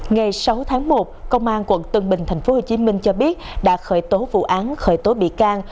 ngày sáu tháng một công an quận tân bình tp hcm cho biết đã khởi tố vụ án khởi tố bị can